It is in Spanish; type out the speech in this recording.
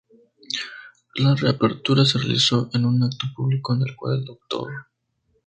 La reapertura se realizó en un acto público en el cual el Dr.